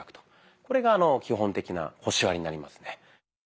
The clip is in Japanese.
これが基本的な腰割りになりますね。